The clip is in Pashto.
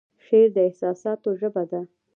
شعر د احساساتو ژبه ده